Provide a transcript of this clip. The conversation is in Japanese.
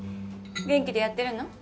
元気でやってるの？